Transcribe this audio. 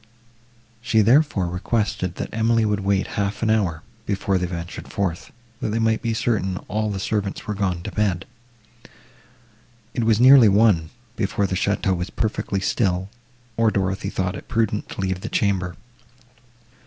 She, therefore, requested, that Emily would wait half an hour, before they ventured forth, that they might be certain all the servants were gone to bed. It was nearly one, before the château was perfectly still, or Dorothée thought it prudent to leave the chamber.